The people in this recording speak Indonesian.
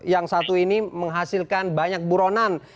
yang satu ini menghasilkan banyak buronan